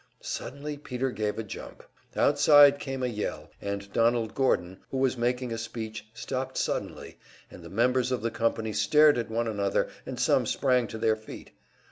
Suddenly Peter gave a jump. Outside came a yell, and Donald Gordon, who was making a speech, stopped suddenly, and the members of the company stared at one another, and some sprang to their feet.